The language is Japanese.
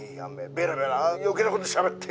ベラベラ余計なことしゃべって。